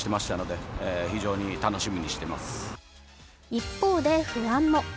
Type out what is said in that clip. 一方で不安も。